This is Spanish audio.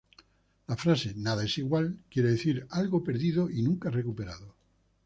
La frase "Nada Es Igual" quiere decir "algo perdido y nunca recuperado".